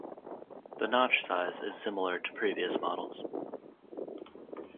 The notch size is similar to previous models.